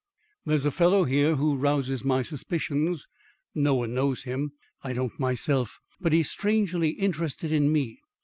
There's a fellow here who rouses my suspicions. No one knows him; I don't myself. But he's strangely interested in me.